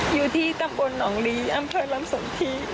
อยู่ที่ตำบลหนองลีอำเภอลำสนทิ